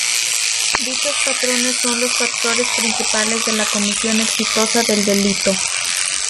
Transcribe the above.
Dichos patrones son los factores principales de la comisión exitosa del delito.